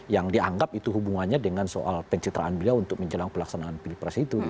yang dianggap itu hubungannya dengan soal pencitraan beliau untuk menjelang pelaksanaan pilpres itu